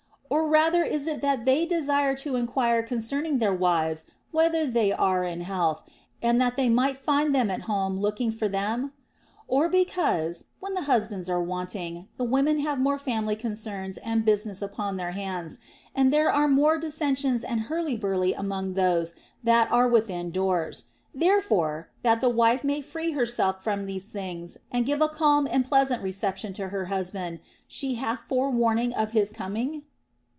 Or rather is it that they desire to enquire concerning their wives whether they are in health, and that they may find them at home looking for them ? Or because, when the husbands are wanting, the women have more family concerns and business upon their hands, and there are more dissensions and hurly burly among those that are within doors ; there fore, that the wife may free herself from these things and give a calm and pleasant reception to her husband, she hath forewarning of his coining